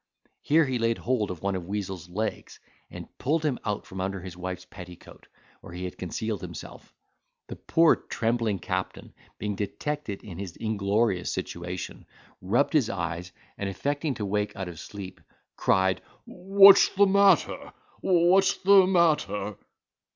Here he laid hold of one of Weazel's legs, and pulled him out from under his wife's petticoat, where he had concealed himself. The poor trembling captain, being detected in his inglorious situation, rubbed his eyes, and affecting to wake out of sleep, cried, "What's the matter? What's the matter?"